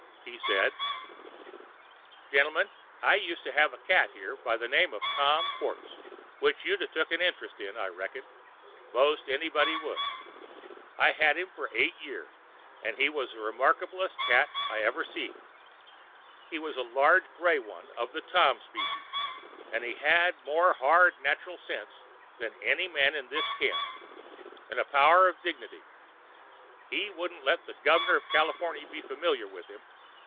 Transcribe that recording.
He said: "Gentlemen, I used to have a cat here, by the name of Tom Quartz, which you'd 'a' took an interest in, I reckon—, most anybody would. I had him here eight year—and he was the remarkablest cat I ever see. He was a large grey one of the Tom specie, an' he had more hard, natchral sense than any man in this camp—'n' a power of dignity—he wouldn't let the Gov'ner of Cal[Pg 145]iforny be familiar with him.